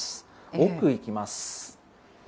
奥行きます。